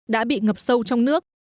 đã bị ngập sâu trong nước